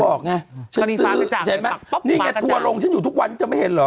ว่าเธอจะบอกไงนี่ไงทัวรงฉันอยู่ทุกวันเธอไม่เห็นเหรอ